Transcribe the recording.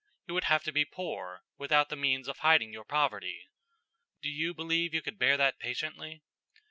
You would have to be poor, without the means of hiding your poverty. Do you believe you could bear that patiently?